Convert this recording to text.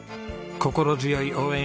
心強い応援